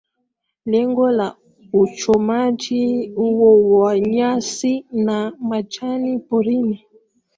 Lengo la uchomaji huo wa nyasi na majani porini